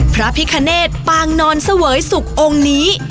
พระพิคเนตปางนอนเสวยสุของค์นี้